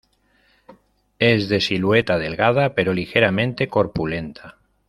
Es de silueta delgada, pero ligeramente corpulenta.